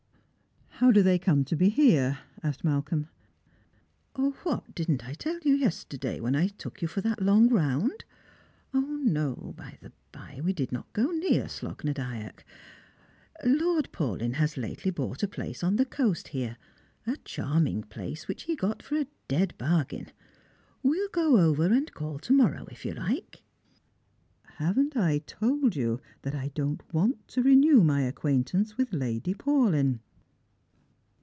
*' How do they come to be here ?" asked Malcolm. What, didn't I tell you yesterday, when I took you for that long round ? No, by the bye, we did not go near Slogh na Dyack. Lord Paulyn has lately bought a place on the coast here ; a charming place, which he got a dead bargain. We'll go over and call to morrow, if you like." " Haven't I told you that I don't want to renew my acquain tance with Lady Paulyn